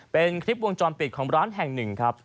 เป็นคลิปวงจรปิดของร้านแห่งหนึ่งครับ